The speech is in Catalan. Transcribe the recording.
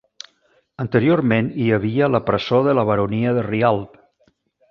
Anteriorment hi havia la presó de la Baronia de Rialb.